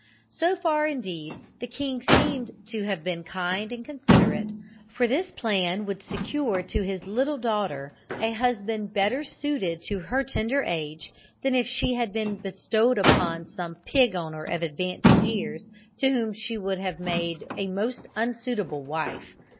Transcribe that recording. So far, indeed, the king seemed to have been kind and considerate, for this plan would secure to his little daughter a husband better suited to her tender age than if she had been bestowed upon some pig owner of advanced years, to whom she would have made a most unsuitable wife.